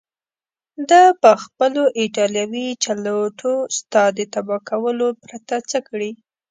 ده پخپلو ایټالوي چلوټو ستا د تباه کولو پرته څه کړي.